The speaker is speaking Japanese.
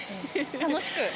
楽しく。